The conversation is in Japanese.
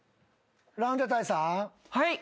はい？